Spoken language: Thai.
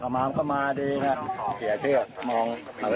ครับตอนนั้นน้ำมันขึ้น